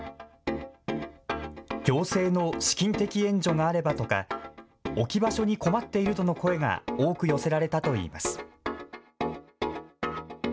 行政の資金的援助があればとか、置き場所に困っているとの声が多く寄せられたといいます。